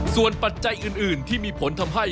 ส่วนปัจจัยอื่นที่มีผลทำให้